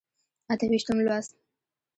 اته ویشتم لوست.